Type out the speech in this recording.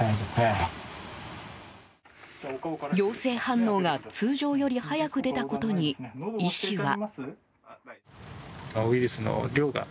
陽性反応が、通常より早く出たことに医師は。